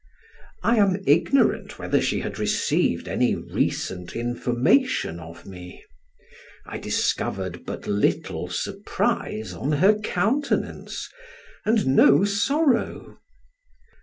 I am ignorant whether she had received any recent information of me. I discovered but little surprise on her countenance, and no sorrow.